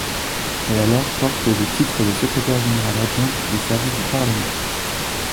Elle alors porte le titre de secrétaire-générale adjointe des services du parlement.